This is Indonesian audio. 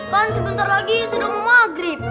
kan sebentar lagi sudah mau maghrib